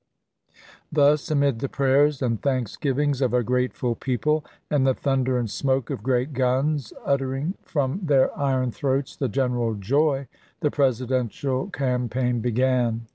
Thus, amid the prayers and thanksgiv ings of a grateful people, and the thunder and smoke of great guns, uttering from their iron throats the general joy, the Presidential campaign began.